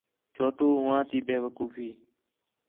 چھوٹو ہوآں تی بیوقوفی